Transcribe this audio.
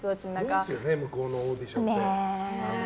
すごいですよね向こうのオーディション。